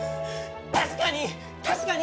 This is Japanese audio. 確かに確かに！